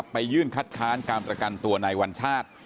ไปยื่นคัดค้านการประกันตัวในวัญชาติ